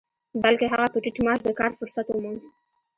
بلکې هغه په ټيټ معاش د کار فرصت وموند.